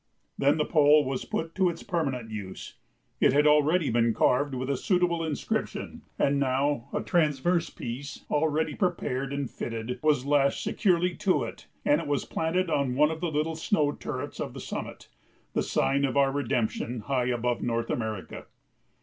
Then the pole was put to its permanent use. It had already been carved with a suitable inscription, and now a transverse piece, already prepared and fitted, was lashed securely to it and it was planted on one of the little snow turrets of the summit the sign of our redemption, high above North America.